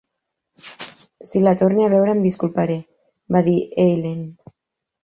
Si la torne a veure em disculparé, va dir Eileen.